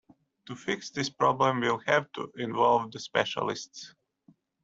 To fix this problem we'll have to involve the specialists.